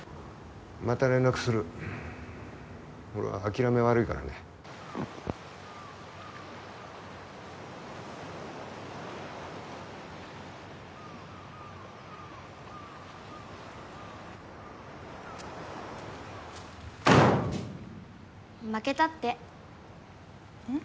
また連絡する俺は諦め悪いからね負けたってうん？